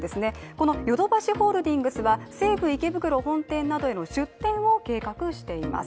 このヨドバシホールディングスは西武池袋本店などへの出店を計画しています。